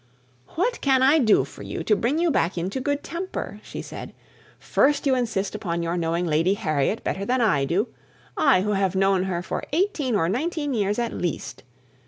"What can I do for you, to bring you back into good temper?" she said. "First, you insist upon your knowing Lady Harriet better than I do I, who have known her for eighteen or nineteen years at least.